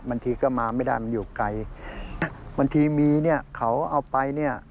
บางทีก็มาไม่ได้มันอยู่ไกลบางทีมีเนี่ยเขาเอาไปเนี่ย